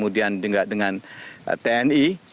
dan dengan tni